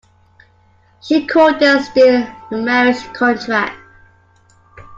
She called this the marriage contract.